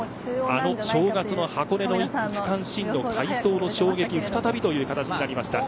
あの正月の箱根の１区、区間新の快走の衝撃、再びという形になりました。